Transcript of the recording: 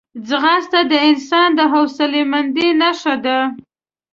ځغاسته د انسان د حوصلهمندۍ نښه ده